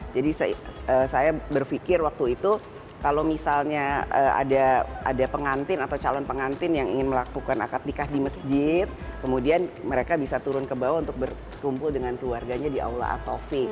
jadi saya berfikir waktu itu kalau misalnya ada pengantin atau calon pengantin yang ingin melakukan akad nikah di masjid kemudian mereka bisa turun ke bawah untuk berkumpul dengan keluarganya di aula at tofiq